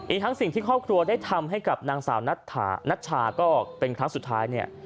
ทั้งสิ่งที่ครอบครัวได้ทำให้กับนางสาวนัชชาก็เป็นครั้งสุดท้ายเนี่ย